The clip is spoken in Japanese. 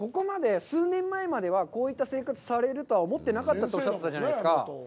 数年前まではこういった生活されるとは思ってなかったとおっしゃってたじゃないですか。